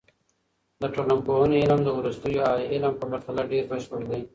د ټولنپوهنې علم د وروستیو اهل علم په پرتله ډېر بشپړ دی.